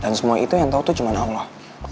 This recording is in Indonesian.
dan semua itu yang tau tuh cuma allah